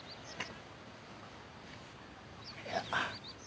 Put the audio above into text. いや。